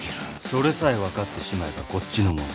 それさえ分かってしまえばこっちのもの。